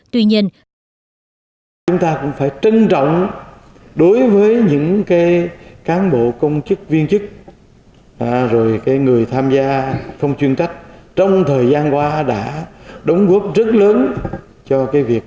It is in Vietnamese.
tuy nhiên chúng ta cũng phải trân trọng đối với những cán bộ công chức viên chức rồi người tham gia phong chuyên trách trong thời gian qua đã đóng góp rất lớn cho cái việc